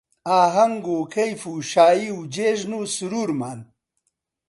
ئاهەنگ و کەیف و شایی و جێژن و سروورمان